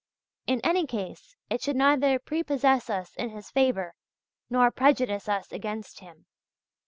In any case it should neither prepossess us in his favour, nor prejudice us against him.